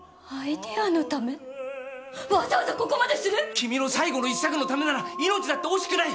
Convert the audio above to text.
君の最後の一作のためなら命だって惜しくない！